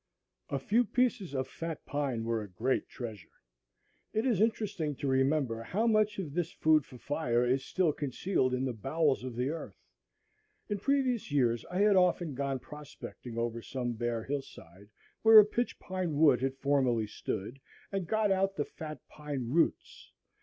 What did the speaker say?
A few pieces of fat pine were a great treasure. It is interesting to remember how much of this food for fire is still concealed in the bowels of the earth. In previous years I had often gone "prospecting" over some bare hill side, where a pitch pine wood had formerly stood, and got out the fat pine roots.